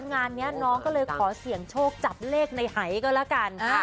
งานนี้น้องก็เลยขอเสี่ยงโชคจับเลขในหายก็แล้วกัน